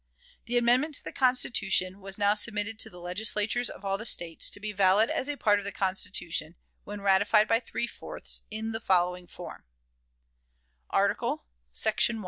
The amendment to the Constitution was now submitted to the Legislatures of all the States, to be valid as a part of the Constitution, when ratified by three fourths, in the following form: "ARTICLE , SECTION 1.